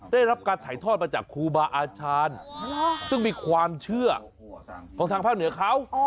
ได้รับการถ่ายทอดมาจากครูบาอาจารย์ซึ่งมีความเชื่อของทางภาคเหนือเขา